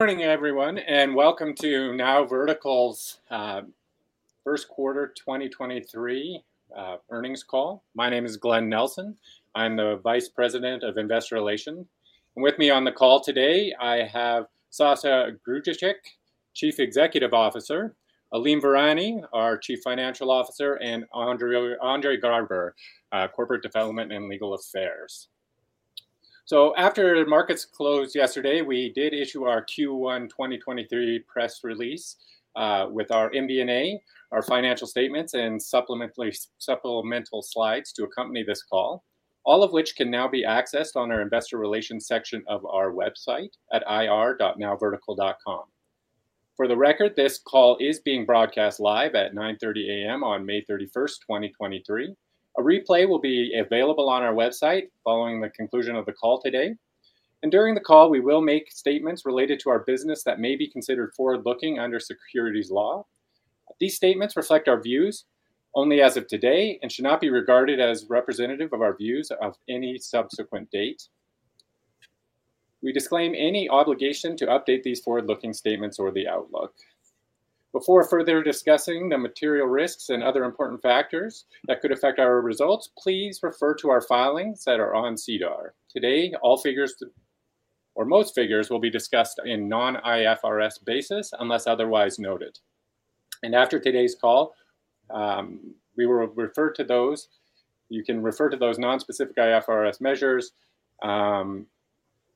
Morning, everyone, and welcome to NowVertical's first quarter 2023 earnings call. My name is Glen Nelson. I'm the Vice President of Investor Relations. With me on the call today, I have Sasha Grujicic, Chief Executive Officer, Alim Virani, our Chief Financial Officer, and Andre Garber, Corporate Development and Legal Affairs. After the markets closed yesterday, we did issue our Q1 2023 press release with our MD&A, our financial statements, and supplemental slides to accompany this call, all of which can now be accessed on our investor relations section of our website at ir.nowvertical.com. For the record, this call is being broadcast live at 9:30A.M. on May 31st, 2023. A replay will be available on our website following the conclusion of the call today. During the call, we will make statements related to our business that may be considered forward-looking under securities law. These statements reflect our views only as of today and should not be regarded as representative of our views of any subsequent date. We disclaim any obligation to update these forward-looking statements or the outlook. Before further discussing the material risks and other important factors that could affect our results, please refer to our filings that are on SEDAR. Today, most figures will be discussed in non-IFRS basis, unless otherwise noted. After today's call, you can refer to those non-specific IFRS measures,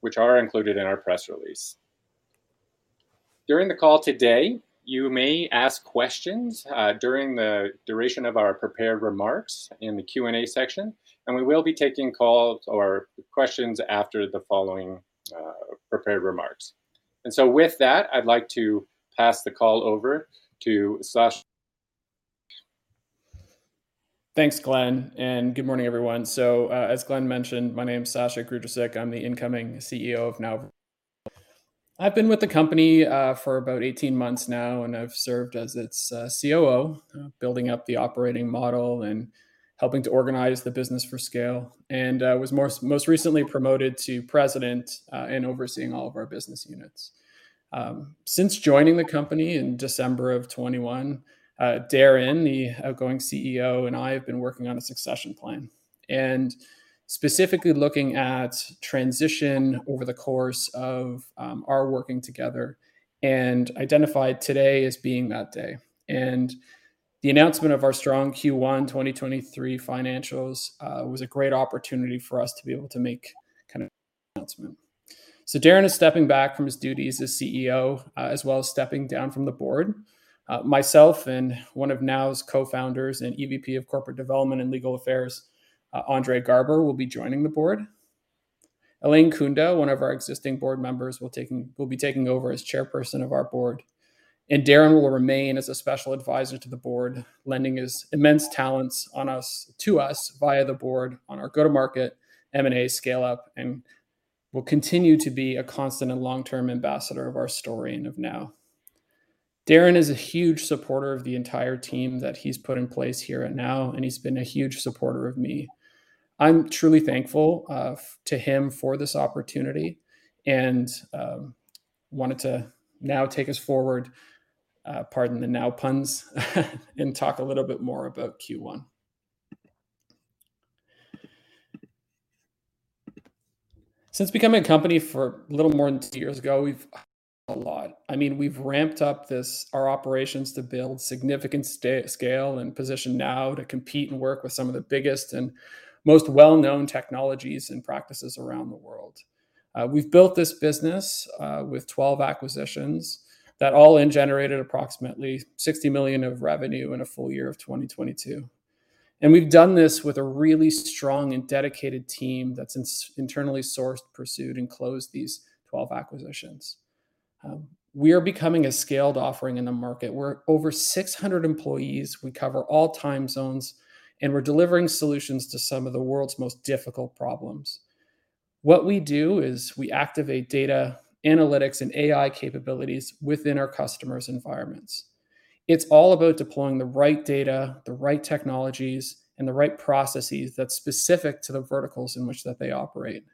which are included in our press release. During the call today, you may ask questions, during the duration of our prepared remarks in the Q&A section, and we will be taking calls or questions after the following, prepared remarks. With that, I'd like to pass the call over to Sasha. Thanks, Glen, good morning, everyone. As Glen mentioned, my name is Sasha Grujicic, I'm the incoming Chief Executive Officer of Now. I've been with the company for about 18 months now, and I've served as its Chief Operating Officer, building up the operating model and helping to organize the business for scale, and was most recently promoted to President, overseeing all of our business units. Since joining the company in December of 2021, Daren, the outgoing Chief Executive Officer, and I have been working on a succession plan, specifically looking at transition over the course of our working together and identified today as being that day. The announcement of our strong Q1 2023 financials was a great opportunity for us to be able to make kind of announcement. Daren is stepping back from his duties as Chief Executive Officer, as well as stepping down from the board. Myself and one of Now's co-founders and Executive Vice President of Corporate Development and Legal Affairs, Andre Garber, will be joining the board. Elaine Kunda, one of our existing board members, will be taking over as chairperson of our board, and Daren will remain as a special advisor to the board, lending his immense talents on us, to us, via the board on our go-to-market, M&A scale-up, and will continue to be a constant and long-term ambassador of our story and of Now. Daren is a huge supporter of the entire team that he's put in place here at Now, and he's been a huge supporter of me. I'm truly thankful to him for this opportunity, wanted to Now take us forward, pardon the Now puns, and talk a little bit more about Q1. Since becoming a company for a little more than two years ago, we've... a lot. I mean, we've ramped up this, our operations to build significant scale and position Now to compete and work with some of the biggest and most well-known technologies and practices around the world. We've built this business with 12 acquisitions that all in generated approximately 60 million of revenue in a full year of 2022. We've done this with a really strong and dedicated team that's internally sourced, pursued, and closed these 12 acquisitions. We are becoming a scaled offering in the market. We're over 600 employees, we cover all time zones, and we're delivering solutions to some of the world's most difficult problems. What we do is we activate data, analytics, and AI capabilities within our customers' environments. It's all about deploying the right data, the right technologies, and the right processes that's specific to the verticals in which that they operate.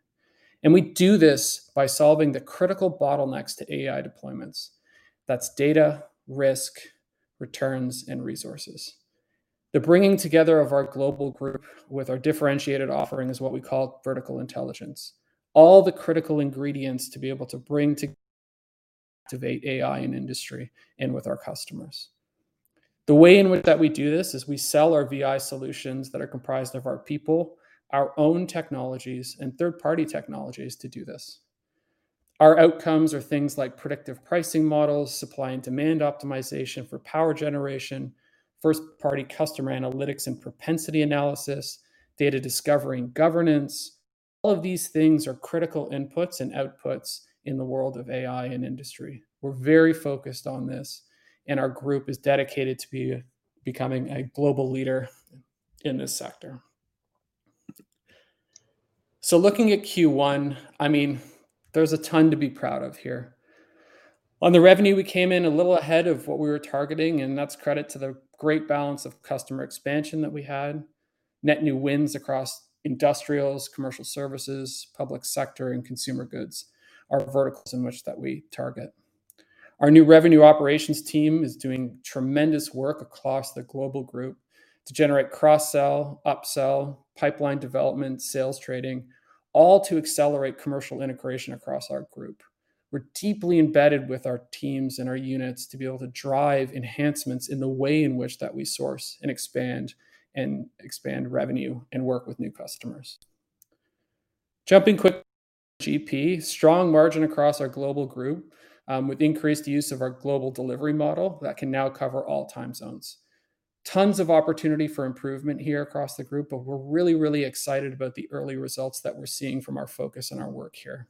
We do this by solving the critical bottlenecks to AI deployments. That's data, risk, returns, and resources. The bringing together of our global group with our differentiated offering is what we call Vertical Intelligence. All the critical ingredients to be able to activate AI in industry and with our customers. The way in which that we do this is we sell our VI solutions that are comprised of our people, our own technologies, and third-party technologies to do this. Our outcomes are things like predictive pricing models, supply and demand optimization for power generation, first-party customer analytics and propensity analysis, data discovery and governance. All of these things are critical inputs and outputs in the world of AI and industry. We're very focused on this, and our group is dedicated to becoming a global leader in this sector. Looking at Q1, I mean, there's a ton to be proud of here. On the revenue, we came in a little ahead of what we were targeting, and that's credit to the great balance of customer expansion that we had.... net new wins across industrials, commercial services, public sector, and consumer goods are verticals in which that we target. Our new revenue operations team is doing tremendous work across the global group to generate cross-sell, upsell, pipeline development, sales trading, all to accelerate commercial integration across our group. We're deeply embedded with our teams and our units to be able to drive enhancements in the way in which that we source and expand, and expand revenue and work with new customers. Jumping quick, GP, strong margin across our global group, with increased use of our global delivery model that can now cover all time zones. Tons of opportunity for improvement here across the group, but we're really excited about the early results that we're seeing from our focus and our work here.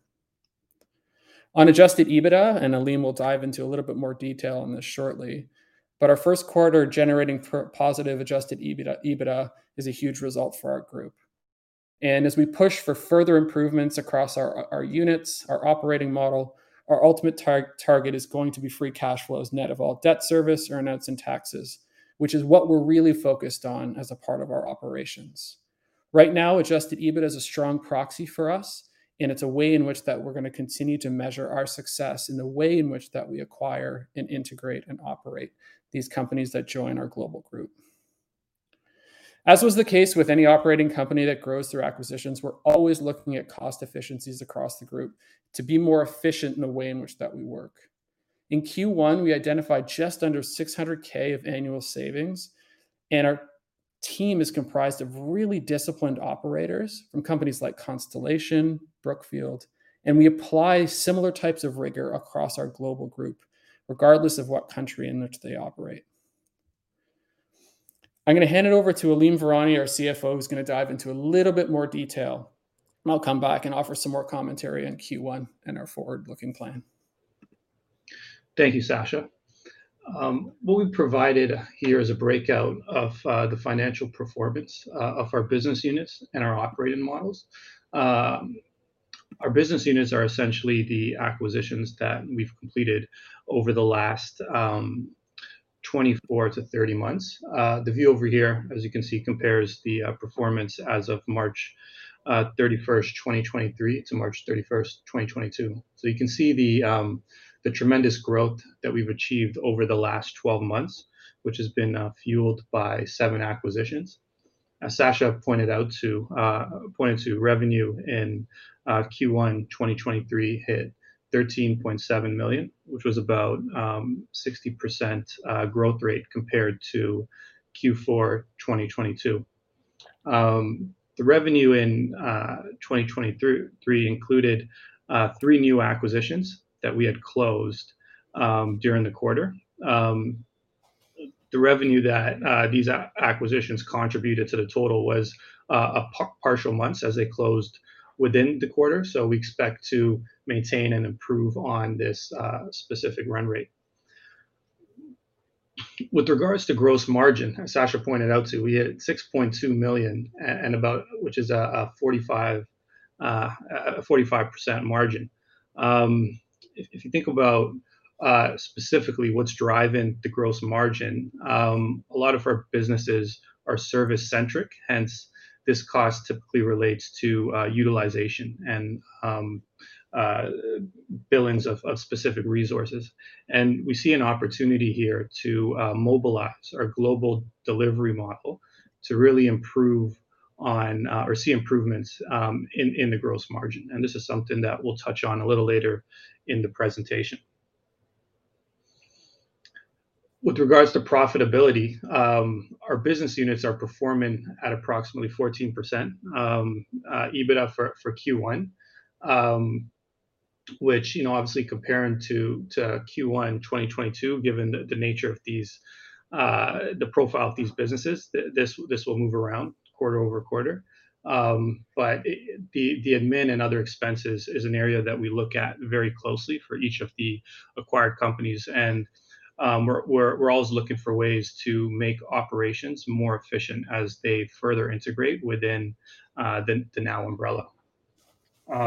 On Adjusted EBITDA, and Alim will dive into a little bit more detail on this shortly, but our first quarter generating positive Adjusted EBITDA is a huge result for our group. As we push for further improvements across our units, our operating model, our ultimate target is going to be free cash flows, net of all debt service, earn-outs, and taxes, which is what we're really focused on as a part of our operations. Right now, Adjusted EBITDA is a strong proxy for us, and it's a way in which that we're gonna continue to measure our success and the way in which that we acquire and integrate and operate these companies that join our global group. As was the case with any operating company that grows through acquisitions, we're always looking at cost efficiencies across the group to be more efficient in the way in which that we work. In Q1, we identified just under 600,000 of annual savings. Our team is comprised of really disciplined operators from companies like Constellation, Brookfield. We apply similar types of rigor across our global group, regardless of what country in which they operate. I'm gonna hand it over to Alim Virani, our CFO, who's gonna dive into a little bit more detail. I'll come back and offer some more commentary on Q1 and our forward-looking plan. Thank you, Sasha. What we've provided here is a breakout of the financial performance of our business units and our operating models. Our business units are essentially the acquisitions that we've completed over the last 24-30 months. The view over here, as you can see, compares the performance as of March 31, 2023, to March 31, 2022. You can see the tremendous growth that we've achieved over the last 12 months, which has been fueled by 7 acquisitions. As Sasha pointed to, revenue in Q1 2023 hit 13.7 million, which was about 60% growth rate compared to Q4 2022. The revenue in 2023 included 3 new acquisitions that we had closed during the quarter. The revenue that these acquisitions contributed to the total was a partial month as they closed within the quarter, so we expect to maintain and improve on this specific run rate. With regards to gross margin, as Sasha pointed out to, we hit 6.2 million and about, which is a 45% margin. If you think about specifically what's driving the gross margin, a lot of our businesses are service-centric, hence, this cost typically relates to utilization and billings of specific resources. We see an opportunity here to mobilize our global delivery model to really improve on or see improvements in the gross margin. This is something that we'll touch on a little later in the presentation. With regards to profitability, our business units are performing at approximately 14% EBITDA for Q1. Which, you know, obviously comparing to Q1 2022, given the nature of these, the profile of these businesses, this will move around quarter-over-quarter. The admin and other expenses is an area that we look at very closely for each of the acquired companies, and we're always looking for ways to make operations more efficient as they further integrate within the Now umbrella. I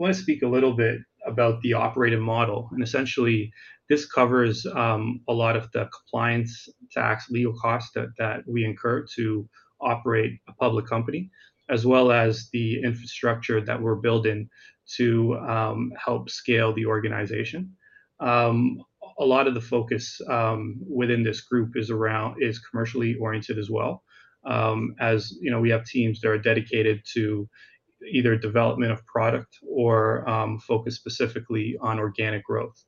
want to speak a little bit about the operating model. Essentially, this covers a lot of the compliance, tax, legal costs that we incur to operate a public company, as well as the infrastructure that we're building to help scale the organization. A lot of the focus within this group is commercially oriented as well. As you know, we have teams that are dedicated to either development of product or focused specifically on organic growth.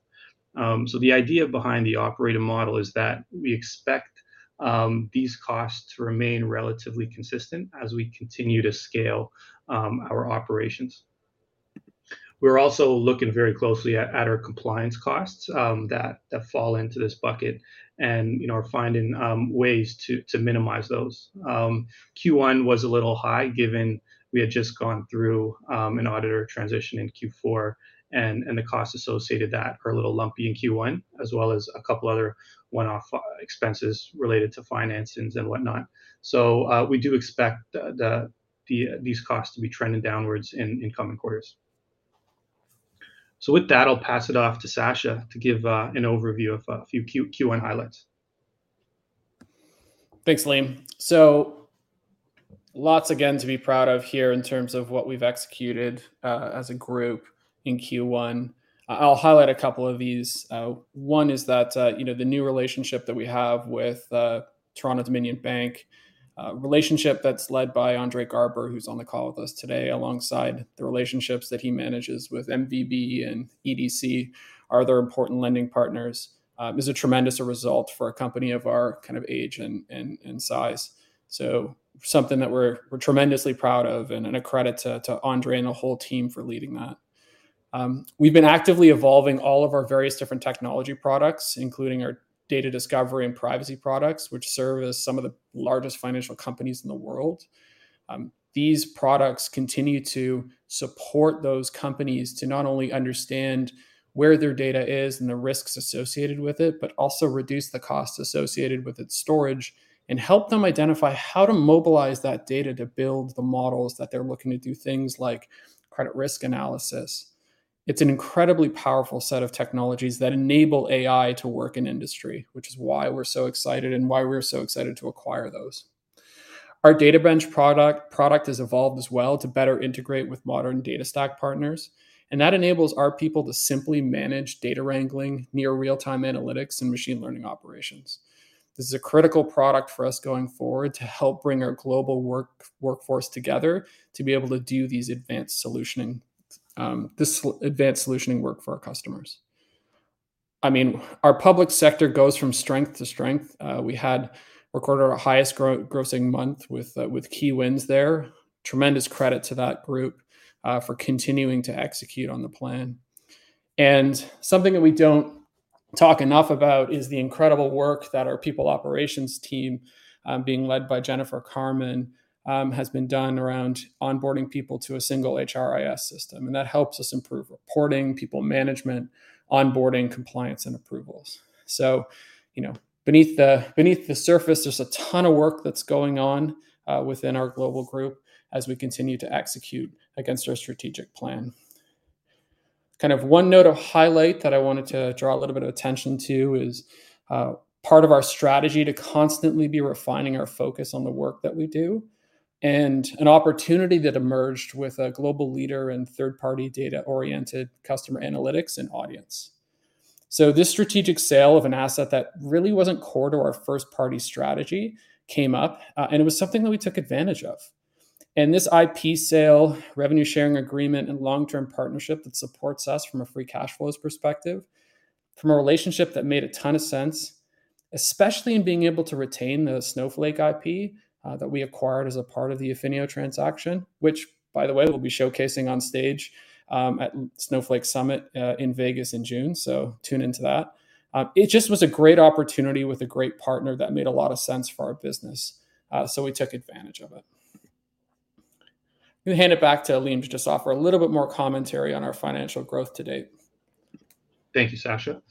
The idea behind the operating model is that we expect these costs to remain relatively consistent as we continue to scale our operations. We're also looking very closely at our compliance costs that fall into this bucket and, you know, are finding ways to minimize those. Q1 was a little high, given we had just gone through an auditor transition in Q4, and the costs associated with that are a little lumpy in Q1, as well as a couple other one-off expenses related to financings and whatnot. We do expect these costs to be trending downwards in coming quarters. With that, I'll pass it off to Sasha to give an overview of a few Q1 highlights. Thanks, Alim. Lots again to be proud of here in terms of what we've executed as a group in Q1. I'll highlight a couple of these. One is that, you know, the new relationship that we have with Toronto-Dominion Bank, relationship that's led by Andre Garber, who's on the call with us today, alongside the relationships that he manages with MVB and EDC, are other important lending partners. Is a tremendous result for a company of our kind of age and size. Something that we're tremendously proud of, and a credit to Andre and the whole team for leading that. We've been actively evolving all of our various different technology products, including our data discovery and privacy products, which serve as some of the largest financial companies in the world. These products continue to support those companies to not only understand where their data is and the risks associated with it, but also reduce the costs associated with its storage, and help them identify how to mobilize that data to build the models that they're looking to do things like credit risk analysis. It's an incredibly powerful set of technologies that enable AI to work in industry, which is why we're so excited and why we're so excited to acquire those. Our DataBench product has evolved as well to better integrate with modern data stack partners, and that enables our people to simply manage data wrangling, near real-time analytics, and machine learning operations. This is a critical product for us going forward to help bring our global workforce together, to be able to do these advanced solutioning work for our customers. I mean, our public sector goes from strength to strength. We had recorded our highest grossing month with key wins there. Tremendous credit to that group for continuing to execute on the plan. Something that we don't talk enough about is the incredible work that our People Operations team, being led by Jennifer Carman, has been done around onboarding people to a single HRIS system, and that helps us improve reporting, people management, onboarding, compliance, and approvals. You know, beneath the, beneath the surface, there's a ton of work that's going on within our global group as we continue to execute against our strategic plan. Kind of one note of highlight that I wanted to draw a little bit of attention to is part of our strategy to constantly be refining our focus on the work that we do, and an opportunity that emerged with a global leader and third-party data-oriented customer analytics and audience. This strategic sale of an asset that really wasn't core to our first party strategy came up, and it was something that we took advantage of. This IP sale, revenue sharing agreement, and long-term partnership that supports us from a free cash flows perspective, from a relationship that made a ton of sense, especially in being able to retain the Snowflake IP that we acquired as a part of the Affinio transaction, which, by the way, we'll be showcasing on stage at Snowflake Summit in Vegas in June. Tune into that. It just was a great opportunity with a great partner that made a lot of sense for our business. We took advantage of it. Let me hand it back to Alim Virani to just offer a little bit more commentary on our financial growth to date. Thank you, Sasha.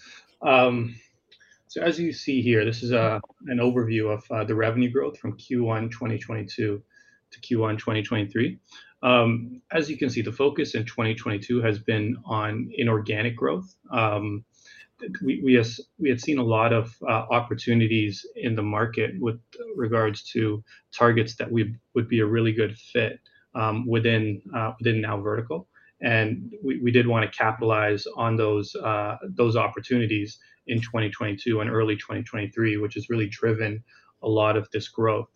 As you see here, this is an overview of the revenue growth from Q1 2022 to Q1 2023. As you can see, the focus in 2022 has been on inorganic growth. We had seen a lot of opportunities in the market with regards to targets that would be a really good fit within NowVertical, and we did wanna capitalize on those opportunities in 2022 and early 2023, which has really driven a lot of this growth.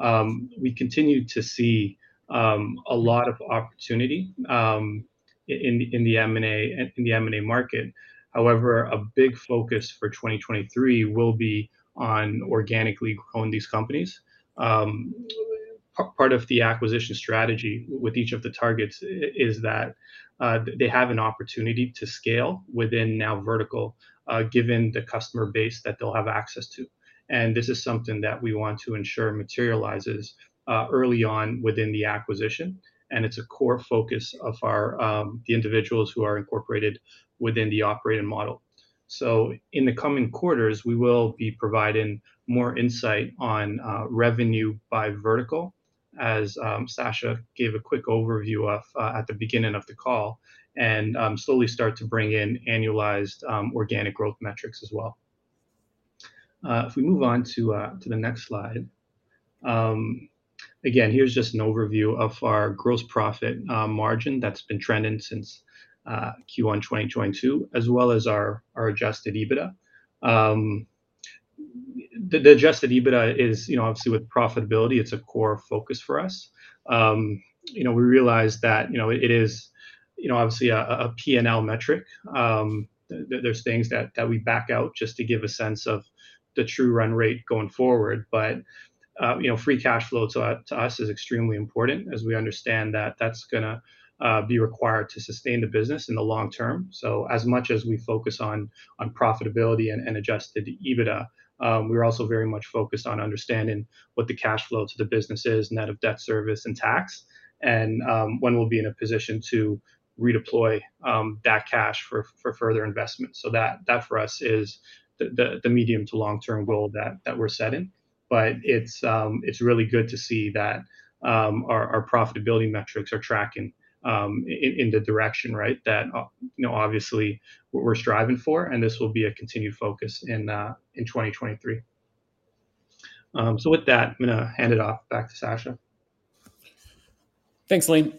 We continue to see a lot of opportunity in the M&A market. However, a big focus for 2023 will be on organically growing these companies. part of the acquisition strategy with each of the targets is that they have an opportunity to scale within NowVertical, given the customer base that they'll have access to, and this is something that we want to ensure materializes early on within the acquisition, and it's a core focus of our, the individuals who are incorporated within the operating model. In the coming quarters, we will be providing more insight on revenue by vertical, as Sasha gave a quick overview of at the beginning of the call, and slowly start to bring in annualized organic growth metrics as well. If we move on to the next slide. Again, here's just an overview of our gross profit margin that's been trending since Q1 2022, as well as our Adjusted EBITDA. The Adjusted EBITDA is, you know, obviously with profitability, it's a core focus for us. You know, we realize that, you know, it is, you know, obviously a P&L metric. There's things that we back out just to give a sense of the true run rate going forward. You know, free cash flow to us is extremely important as we understand that that's gonna be required to sustain the business in the long term. As much as we focus on profitability and Adjusted EBITDA, we're also very much focused on understanding what the cash flow to the business is, net of debt service and tax, and when we'll be in a position to redeploy that cash for further investment. That for us, is the medium to long-term goal that we're setting. It's really good to see that our profitability metrics are tracking in the direction, right, that, you know, obviously what we're striving for, and this will be a continued focus in 2023. With that, I'm gonna hand it off back to Sasha. Thanks, Alim.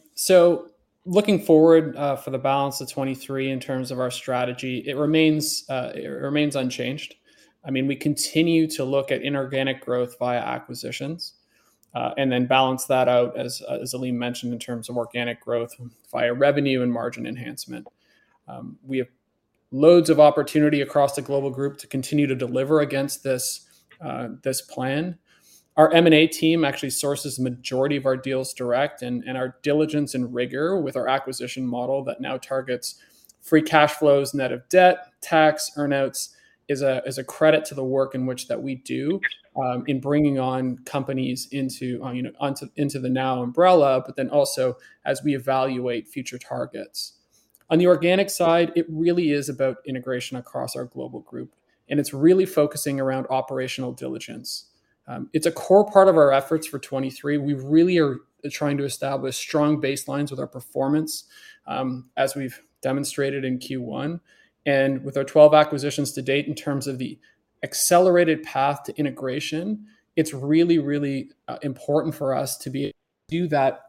Looking forward for the balance of 2023 in terms of our strategy, it remains unchanged. I mean, we continue to look at inorganic growth via acquisitions, and then balance that out, as Alim mentioned, in terms of organic growth via revenue and margin enhancement. We have loads of opportunity across the global group to continue to deliver against this plan. Our M&A team actually sources the majority of our deals direct, and our diligence and rigor with our acquisition model that now targets free cash flows, net of debt, tax, earn-outs, is a credit to the work in which that we do, in bringing on companies into, you know, into the Now umbrella, but then also as we evaluate future targets. On the organic side, it really is about integration across our global group, and it's really focusing around operational diligence. It's a core part of our efforts for 2023. We really are trying to establish strong baselines with our performance, as we've demonstrated in Q1. With our 12 acquisitions to date, in terms of the accelerated path to integration, it's really, really important for us to do that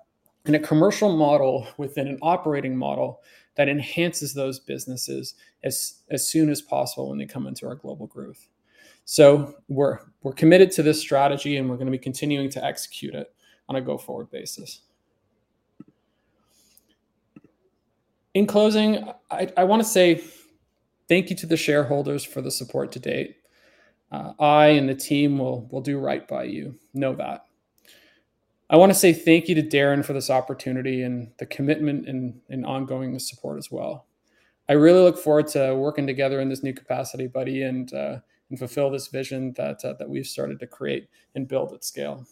in a commercial model within an operating model that enhances those businesses as soon as possible when they come into our global group. We're committed to this strategy, and we're gonna be continuing to execute it on a go-forward basis. In closing, I wanna say thank you to the shareholders for the support to date. I and the team will do right by you. Know that. I wanna say thank you to Daren for this opportunity and the commitment and ongoing support as well. I really look forward to working together in this new capacity, buddy, and fulfill this vision that we've started to create and build at scale.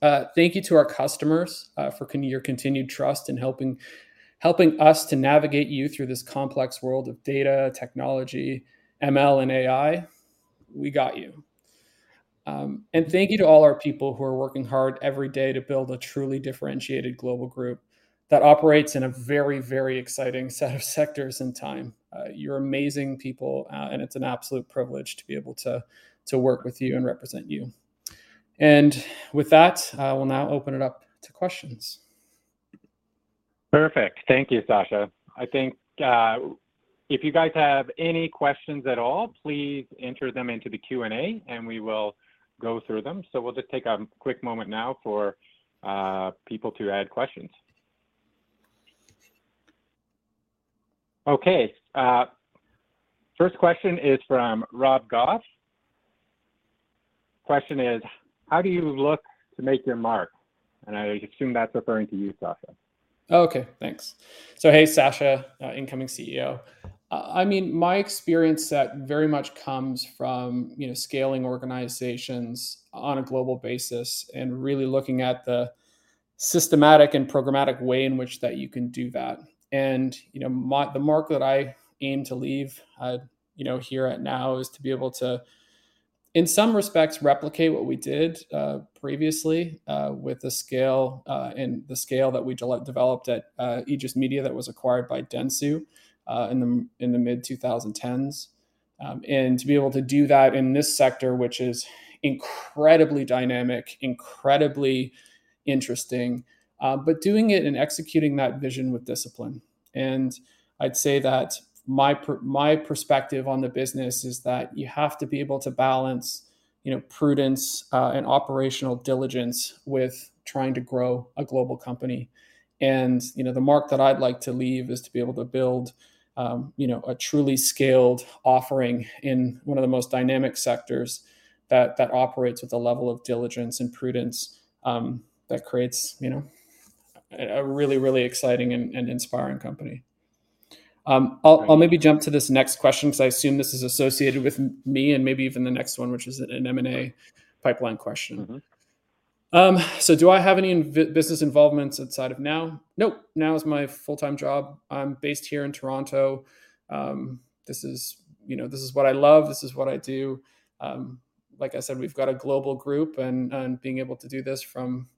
Thank you to our customers for your continued trust in helping us to navigate you through this complex world of data, technology, ML, and AI. We got you. Thank you to all our people who are working hard every day to build a truly differentiated global group that operates in a very, very exciting set of sectors and time. You're amazing people, and it's an absolute privilege to be able to work with you and represent you. With that, I will now open it up to questions. Perfect. Thank you, Sasha. I think, if you guys have any questions at all, please enter them into the Q&A, and we will go through them. We'll just take a quick moment now for people to add questions. Okay, first question is from Rob Goff. Question is: How do you look to make your mark? I assume that's referring to you, Sasha. Okay, thanks. Hey, Sasha, incoming Chief Executive Officer. I mean, my experience set very much comes from, you know, scaling organizations on a global basis and really looking at the systematic and programmatic way in which that you can do that. You know, the mark that I aim to leave, you know, here at Now is to be able to, in some respects, replicate what we did previously with the scale and the scale that we developed at Aegis Media that was acquired by Dentsu in the mid-2010s. To be able to do that in this sector, which is incredibly dynamic, incredibly interesting, but doing it and executing that vision with discipline. I'd say that my perspective on the business is that you have to be able to balance, you know, prudence and operational diligence with trying to grow a global company. You know, the mark that I'd like to leave is to be able to build, you know, a truly scaled offering in one of the most dynamic sectors that operates with a level of diligence and prudence that creates, you know, a really, really exciting and inspiring company. Right I'll maybe jump to this next question, 'cause I assume this is associated with me, and maybe even the next one, which is an M&A pipeline question. Mm-hmm. Do I have any business involvements outside of Now? Nope, Now is my full-time job. I'm based here in Toronto. This is, you know, this is what I love, this is what I do. Like I said, we've got a global group, and being able to do this from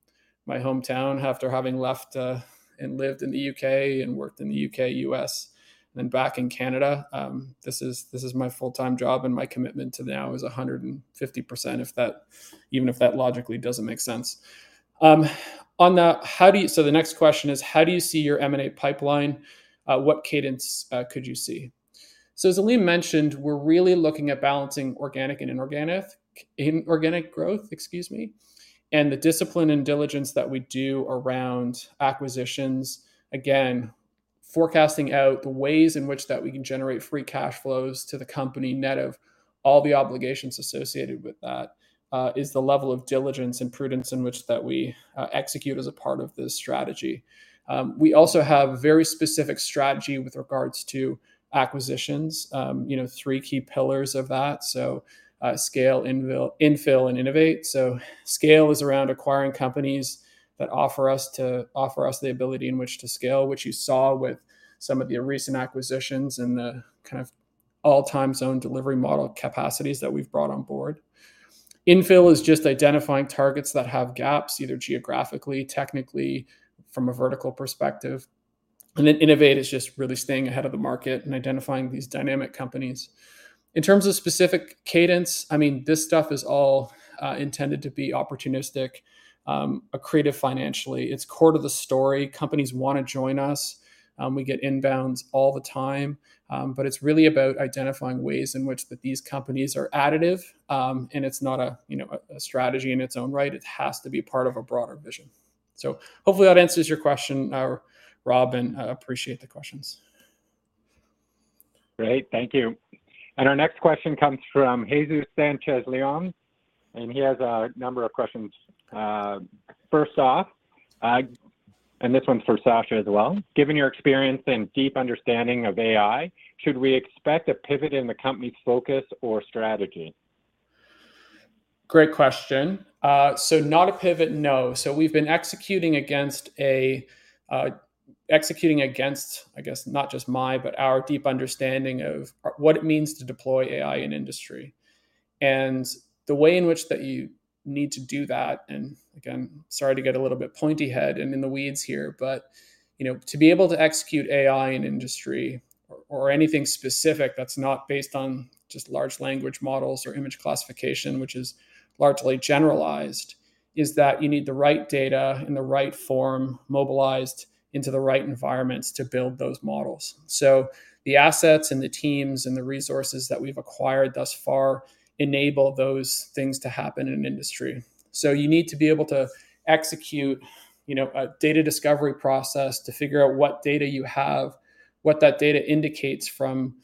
my hometown after having left and lived in the U.K. and worked in the U.K., U.S., and then back in Canada, this is my full-time job, and my commitment to Now is 150%, even if that logically doesn't make sense. The next question is: How do you see your M&A pipeline? What cadence could you see? As Alim mentioned, we're really looking at balancing organic and inorganic growth and the discipline and diligence that we do around acquisitions. Forecasting out the ways in which that we can generate free cash flows to the company, net of all the obligations associated with that, is the level of diligence and prudence in which that we execute as a part of this strategy. We also have very specific strategy with regards to acquisitions. You know, three key pillars of that, so scale, infill, and innovate. Scale is around acquiring companies that offer us the ability in which to scale, which you saw with some of the recent acquisitions and the kind of all time zone delivery model capacities that we've brought on board. Infill is just identifying targets that have gaps, either geographically, technically, from a vertical perspective. Innovate is just really staying ahead of the market and identifying these dynamic companies. In terms of specific cadence, I mean, this stuff is all intended to be opportunistic, accretive financially. It's core to the story. Companies wanna join us, we get inbounds all the time, but it's really about identifying ways in which that these companies are additive. And it's not a, you know, a strategy in its own right, it has to be part of a broader vision. Hopefully that answers your question, Robin, I appreciate the questions. Great. Thank you. Our next question comes from Jesús Sánchez León, and he has a number of questions. First off, and this one's for Sasha as well: Given your experience and deep understanding of AI, should we expect a pivot in the company's focus or strategy? Great question. Not a pivot, no. We've been executing against, I guess, not just my, but our deep understanding of what it means to deploy AI in industry. The way in which that you need to do that, again, sorry to get a little bit pointy head and in the weeds here, but, you know, to be able to execute AI in industry or anything specific that's not based on just large language models or image classification, which is largely generalized, is that you need the right data in the right form, mobilized into the right environments to build those models. The assets and the teams and the resources that we've acquired thus far enable those things to happen in an industry. You need to be able to execute, you know, a data discovery process to figure out what data you have, what that data indicates from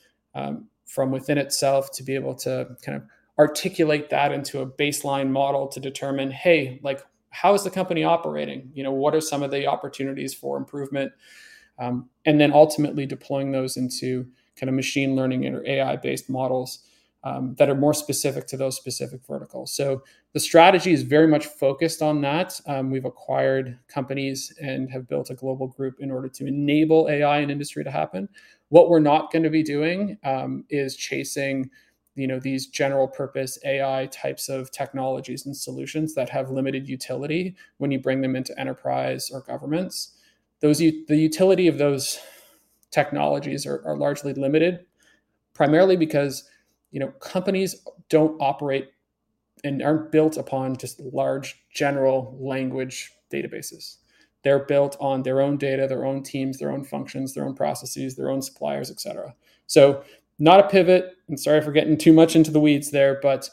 within itself, to be able to kind of articulate that into a baseline model to determine, hey, like, how is the company operating? You know, what are some of the opportunities for improvement? Ultimately deploying those into kind of machine learning and/or AI-based models that are more specific to those specific verticals. The strategy is very much focused on that. We've acquired companies and have built a global group in order to enable AI in industry to happen. What we're not going to be doing, you know, is chasing these general-purpose AI types of technologies and solutions that have limited utility when you bring them into enterprise or governments. Those the utility of those technologies are largely limited, primarily because, you know, companies don't operate and aren't built upon just large general language databases. They're built on their own data, their own teams, their own functions, their own processes, their own suppliers, et cetera. Not a pivot, and sorry for getting too much into the weeds there, but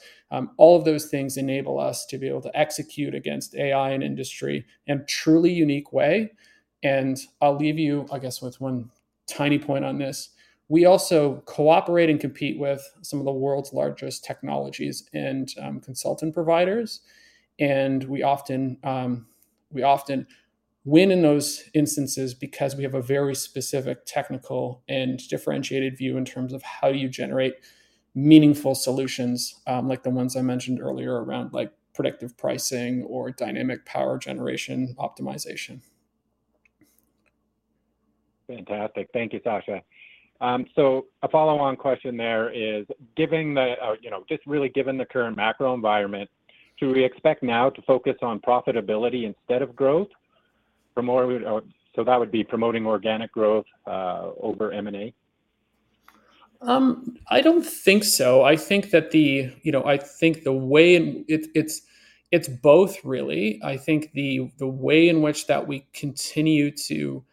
all of those things enable us to be able to execute against AI in industry in a truly unique way. I'll leave you, I guess, with one tiny point on this. We also cooperate and compete with some of the world's largest technologies and consultant providers, and we often win in those instances because we have a very specific technical and differentiated view in terms of how you generate meaningful solutions, like the ones I mentioned earlier around, like, predictive pricing or dynamic power generation optimization. Fantastic. Thank you, Sasha. A follow-on question there is, given the, you know, just really given the current macro environment, do we expect NowVertical to focus on profitability instead of growth? That would be promoting organic growth over M&A. I don't think so. I think that the... You know, I think the way, it's both, really. I think the way in which that we continue to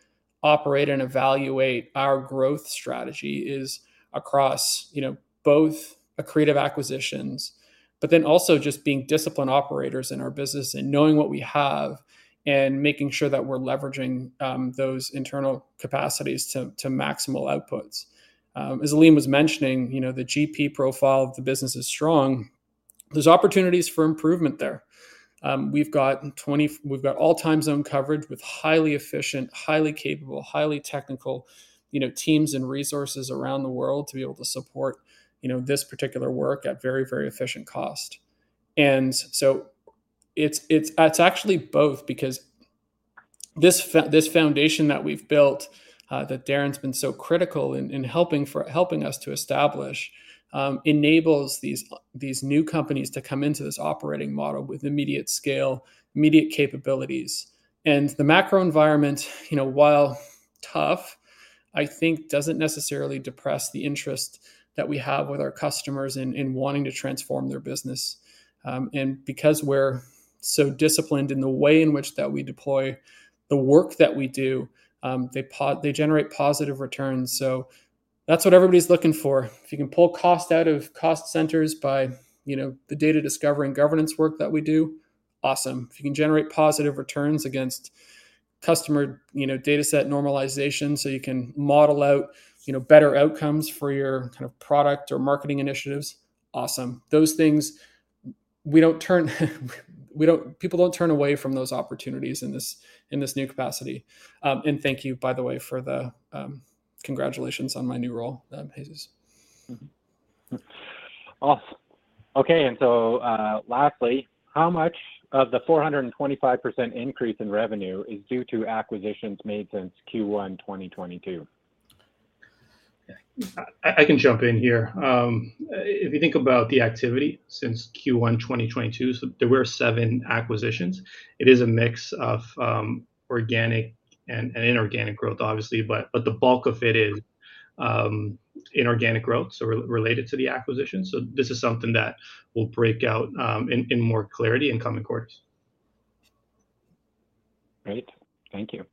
operate and evaluate our growth strategy is across, you know, both accretive acquisitions, also just being disciplined operators in our business and knowing what we have, and making sure that we're leveraging those internal capacities to maximal outputs. As Alim was mentioning, you know, the GP profile of the business is strong. There's opportunities for improvement there. We've got all time zone coverage with highly efficient, highly capable, highly technical, you know, teams and resources around the world to be able to support, you know, this particular work at very, very efficient cost. It's actually both because this foundation that we've built, that Daren's been so critical in helping us to establish, enables these new companies to come into this operating model with immediate scale, immediate capabilities. The macro environment, you know, while tough, I think doesn't necessarily depress the interest that we have with our customers in wanting to transform their business. Because we're so disciplined in the way in which that we deploy the work that we do, they generate positive returns, so that's what everybody's looking for. If you can pull cost out of cost centers by, you know, the data discovery and governance work that we do, awesome. If you can generate positive returns against customer, you know, dataset normalization, so you can model out, you know, better outcomes for your kind of product or marketing initiatives. Awesome. Those things, people don't turn away from those opportunities in this, in this new capacity. Thank you, by the way, for the, congratulations on my new role, Jesús. Okay, lastly, how much of the 425% increase in revenue is due to acquisitions made since Q1 2022? I can jump in here. If you think about the activity since Q1 2022, there were seven acquisitions. It is a mix of organic and inorganic growth, obviously, but the bulk of it is inorganic growth, related to the acquisition. This is something that we'll break out in more clarity in coming quarters. Great. Thank you.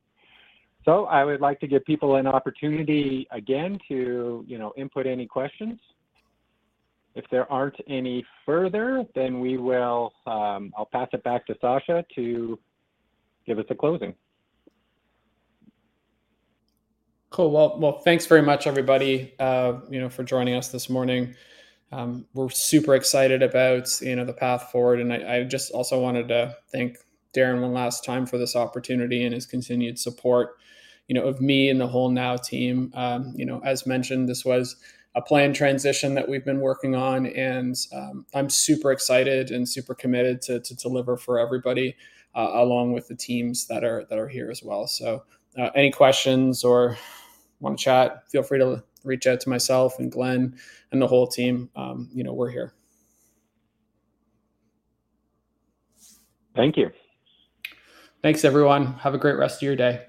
I would like to give people an opportunity again to, you know, input any questions. If there aren't any further, I'll pass it back to Sasha to give us a closing. Cool. Well, thanks very much, everybody, you know, for joining us this morning. We're super excited about, you know, the path forward, and I just also wanted to thank Daren one last time for this opportunity and his continued support, you know, of me and the whole Now team. You know, as mentioned, this was a planned transition that we've been working on, and I'm super excited and super committed to deliver for everybody, along with the teams that are here as well. Any questions or wanna chat, feel free to reach out to myself and Glen and the whole team. You know, we're here. Thank you. Thanks, everyone. Have a great rest of your day.